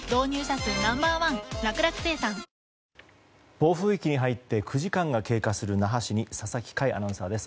暴風域に入って９時間が経過する那覇市に佐々木快アナウンサーです。